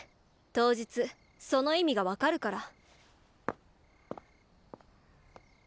当日その意味が分かるから。